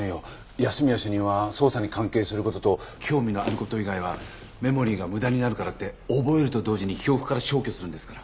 安洛主任は捜査に関係する事と興味のある事以外はメモリーが無駄になるからって覚えると同時に記憶から消去するんですから。